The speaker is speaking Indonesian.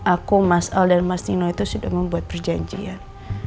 aku mas al dan mas dino itu sudah membuat perjanjian